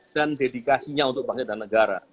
dan dedikasinya untuk bangsa dan negara